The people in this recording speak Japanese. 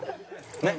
ねっ。